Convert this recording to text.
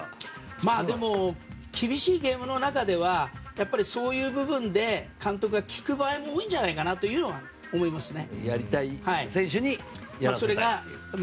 まあ、でも厳しいゲームの中ではそういう部分で監督が聞く場合も多いんじゃないかなというのは思いますね。